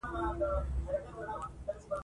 د توکوګاوا شوګانانو پر بهر تجارت بندیز ولګاوه.